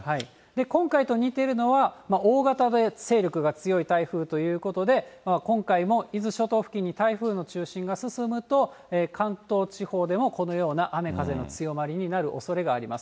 今回と似てるのは、大型で勢力が強い台風ということで、今回も伊豆諸島付近に台風の中心が進むと、関東地方でもこのような雨風の強まりになるおそれがあります。